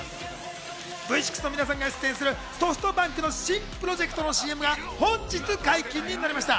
Ｖ６の皆さんが出演するソフトバンクの新プロジェクトのＣＭが本日解禁になりました。